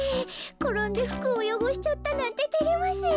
ころんでふくをよごしちゃったなんててれますよ。